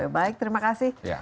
baik terima kasih